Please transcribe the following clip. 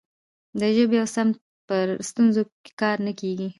د ژبې او سمت پر ستونزو کار نه کیږي.